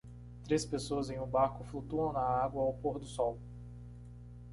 Três pessoas em um barco flutuam na água ao pôr do sol.